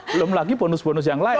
belum lagi bonus bonus yang lain